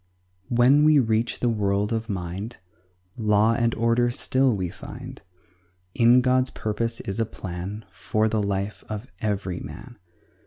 When we reach the world of mind Law and order still we find; In God's purpose is a plan For the life of every man.